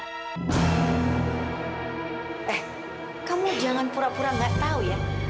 eh kamu jangan pura pura nggak tahu ya